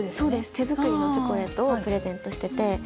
手作りのチョコレートをプレゼントしてて。